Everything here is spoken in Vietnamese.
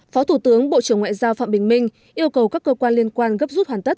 phó thủ tướng bộ trưởng ngoại giao phạm bình minh yêu cầu các cơ quan liên quan gấp rút hoàn tất